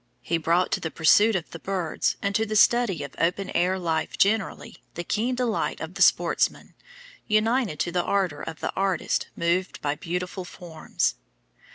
He brought to the pursuit of the birds, and to the study of open air life generally, the keen delight of the sportsman, united to the ardour of the artist moved by beautiful forms.